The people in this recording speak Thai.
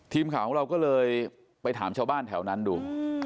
ทีมข่าวของเราก็เลยไปถามชาวบ้านแถวนั้นดู